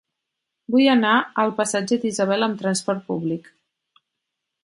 Vull anar al passatge d'Isabel amb trasport públic.